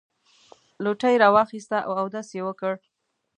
لوټه یې راواخیسته او اودس یې وکړ.